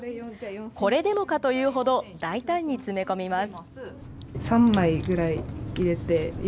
これでもかというほど大胆に詰め込みます。